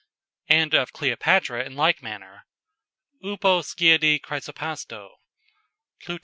"] and of Cleopatra in like manner "upo skiadi chrysopasto." _Plut.